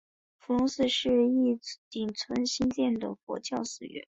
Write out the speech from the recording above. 伏龙寺是义井村兴建的佛教寺院。